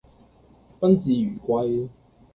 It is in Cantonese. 賓至如歸